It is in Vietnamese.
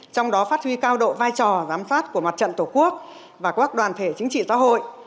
trong đó phát huy cao độ vai trò giám sát của mặt trận tổ quốc và các đoàn thể chính trị xã hội